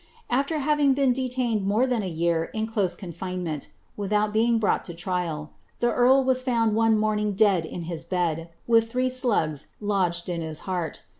After having been detained more than a year in close confinement, without being brought to trial, the earl was found one morning dead in his bed, with three slugs lodged in his heart.